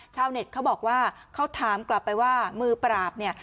เน็ตเขาบอกว่าเขาถามกลับไปว่ามือปราบเนี่ย